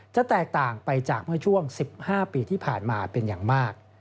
จะแตกต่างไปจากเมื่อช่วง๑๕ปีที่ผ่านมาเป็นอย่างมาก